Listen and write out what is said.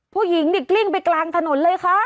ผู้หญิงนี่กลิ้งไปกลางถนนเลยค่ะ